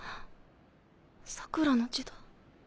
桜良の字だ。